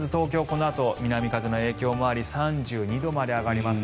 このあと南風の影響もあり３２度まで上がります。